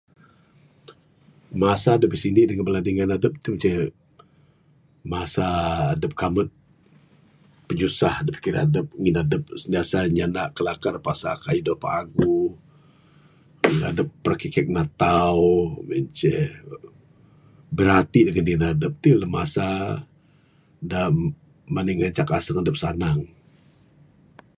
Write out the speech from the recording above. Masa dup bisindi dengan bala dingan adup ti ce, masa adup kambut pinyusah da pikir adup ngin aduh sentiasa nyanda kilakar pasal kayuh da paguh, tengin adup prakikek natau, mung en ce, birati dengan adup. Ti lah masa da mani nyancak asung adup sanang.